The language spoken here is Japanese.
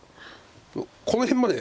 この辺まで。